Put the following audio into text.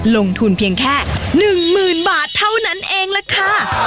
ลงทุนเพียงแค่๑๐๐๐บาทเท่านั้นเองล่ะค่ะ